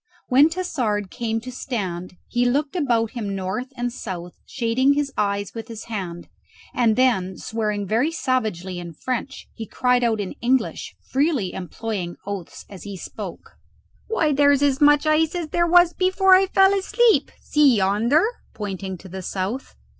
When Tassard came to a stand he looked about him north and south, shading his eyes with his hand, and then swearing very savagely in French, he cried out in English, freely employing oaths as he spoke, "Why, here's as much ice as there was before I fell asleep! See yonder!" pointing to the south.